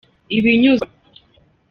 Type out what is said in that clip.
ibinyuzwa